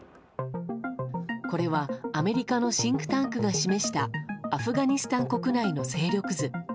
これはアメリカのシンクタンクが示したアフガニスタン国内の勢力図。